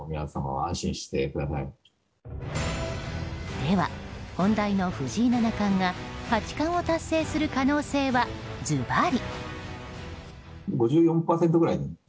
では、本題の藤井七冠が八冠を達成する可能性はずばり？